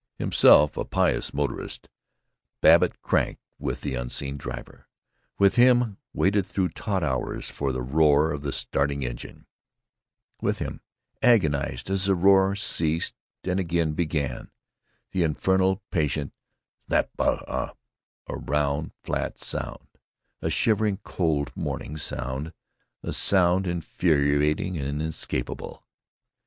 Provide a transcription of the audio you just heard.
Himself a pious motorist, Babbitt cranked with the unseen driver, with him waited through taut hours for the roar of the starting engine, with him agonized as the roar ceased and again began the infernal patient snap ah ah a round, flat sound, a shivering cold morning sound, a sound infuriating and inescapable.